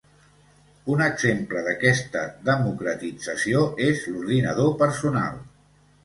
Un exemple d'aquesta democratització és l'ordinador personal.